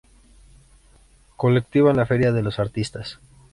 Colectiva en la Feria de los Artistas.